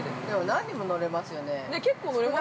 ◆何人も乗れますよね。